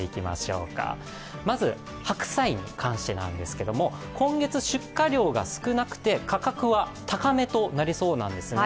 まず白菜に関してなんですけれども、今月、出荷量が少なくて価格は高めとなりそうなんですね。